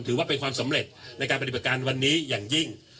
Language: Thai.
ถือว่าเป็นความสำเร็จในการปฏิบัติการวันนี้อย่างยิ่ง